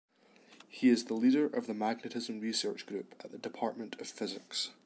He is the leader of the magnetism research group at the Department of Physics.